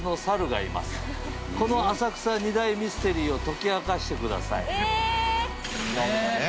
「この浅草２大ミステリーを解き明かしてください」なんかね。